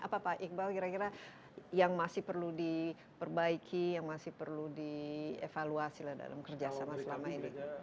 apa pak iqbal kira kira yang masih perlu diperbaiki yang masih perlu dievaluasi dalam kerjasama selama ini